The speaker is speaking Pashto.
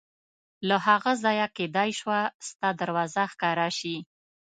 له هغه ځایه کېدای شوه ستا دروازه ښکاره شي.